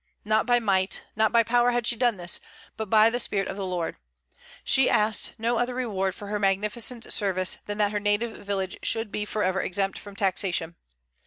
Not by might, not by power had she done this, but by the Spirit of the Lord. She asked no other reward for her magnificent service than that her native village should be forever exempt from taxation.